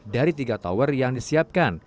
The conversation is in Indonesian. dari tiga tower yang disiapkan